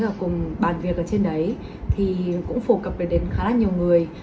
hay là cùng bàn việc ở trên đấy thì cũng phổ cập đến khá là nhiều người